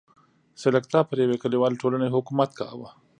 سلکتا پر یوې کلیوالې ټولنې حکومت کاوه.